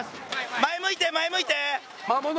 前向いて、前向いて。